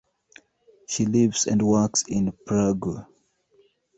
She lives and works in Prague.